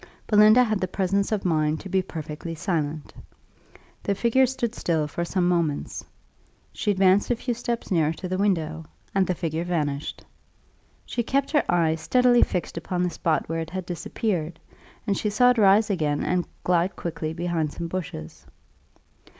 Belinda had the presence of mind to be perfectly silent. The figure stood still for some moments. She advanced a few steps nearer to the window, and the figure vanished. She kept her eye steadily fixed upon the spot where it had disappeared, and she saw it rise again and glide quickly behind some bushes.